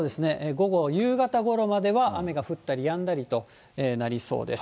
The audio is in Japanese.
午後、夕方ごろまでは、雨が降ったりやんだりとなりそうです。